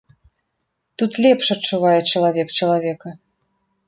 Тут лепш адчувае чалавек чалавека.